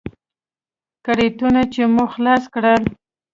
کرېټونه چې مو خلاص کړل.